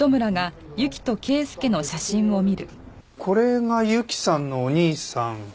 これが由紀さんのお兄さん。